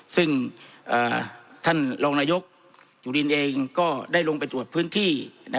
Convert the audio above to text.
ซึ่งท่านรองนายกจุลินเองก็ได้ลงไปตรวจพื้นที่